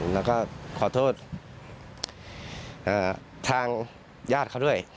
แล้วก็ขอโทษทางญาติเขาด้วย